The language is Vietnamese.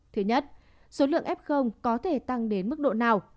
thứ nhất số lượng f có thể tăng đến mức độ nào